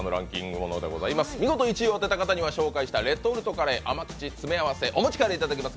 見事１位を当てた方には紹介したレトルトカレーの甘口詰め合わせ全て持ち帰っていただきます。